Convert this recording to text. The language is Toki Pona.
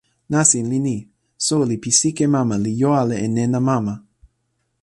nasin li ni: soweli pi sike mama li jo ala e nena mama.